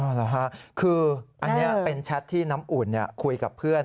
เหรอฮะคืออันนี้เป็นแชทที่น้ำอุ่นคุยกับเพื่อน